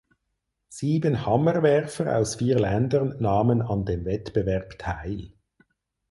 Sieben Hammerwerfer aus vier Ländern nahmen an dem Wettbewerb teil.